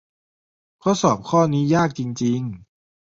ข้อสอบข้อนี้ยากจริง ๆ